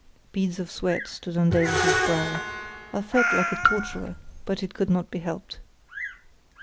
Beads of sweat stood on Davies's brow. I felt like a torturer, but it could not be helped.